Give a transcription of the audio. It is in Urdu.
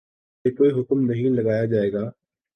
کہ کوئی حکم نہیں لگایا جائے گا